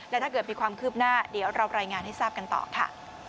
และถ้าเกิดมีความคืบหน้าเดี๋ยวเรารายงานให้ทราบกันต่อค่ะ